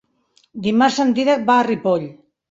Dimarts en Dídac va a Ripoll.